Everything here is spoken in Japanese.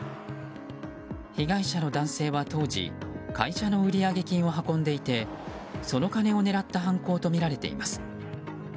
被害者の男性は当時会社の売上金を運んでいてその金を狙った犯行とみられています。